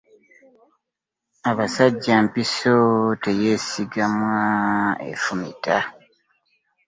Abasaja mpiso teyesigamwa efumita .